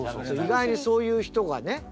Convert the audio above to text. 意外にそういう人がね。